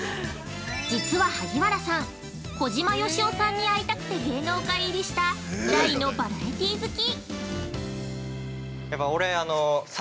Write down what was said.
◆実は萩原さん、小島よしおさんに会いたくて芸能界入りした大のバラエティー好き。